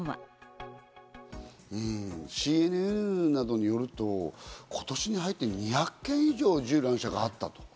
ＣＮＮなどによると、今年に入って２００件以上、銃乱射があったと。